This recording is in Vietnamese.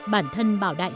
bản thân bảo đại